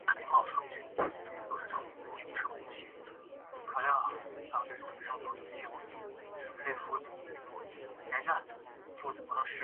凡在限期时持有有效或可续期的澳门居民身份证居民均是为此计划之受惠对象。